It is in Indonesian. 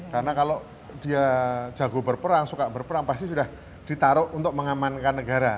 karena kalau dia jago berperang suka berperang pasti sudah ditaruh untuk mengamankan